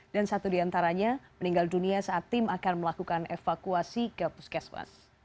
dan satu di antaranya meninggal dunia saat tim akan melakukan evakuasi gapuskesmas